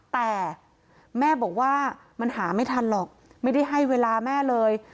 แต่แม่บอกว่ามันหาไม่ทันหรอกไม่ได้ให้เวลาแม่เลย